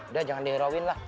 hmm udah jangan diheroin lah